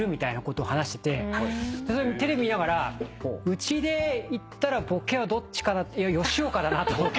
テレビ見ながらうちでいったらボケはどっちかないや吉岡だなと思って。